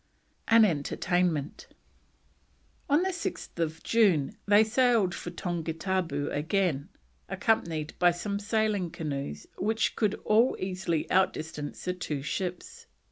AN ENTERTAINMENT. On 6th June they sailed for Tongatabu again, accompanied by some sailing canoes which could all easily outdistance the two ships.